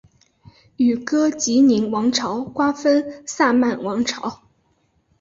与哥疾宁王朝瓜分萨曼王朝。